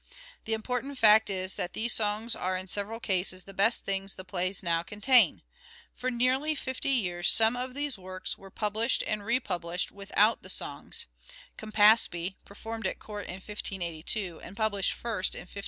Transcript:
The important fact is that these songs are in several cases the best things the plays now contain. For nearly fifty years some of these works were published and republished without the songs (" Campaspe " performed at court in 1582, and published first in 1584).